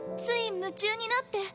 つい夢中になって。